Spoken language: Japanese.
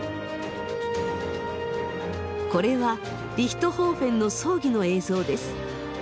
これはリヒトホーフェンの葬儀の映像です。